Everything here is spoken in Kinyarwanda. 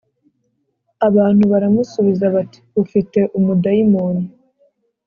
l Abantu baramusubiza bati ufi te umudayimoni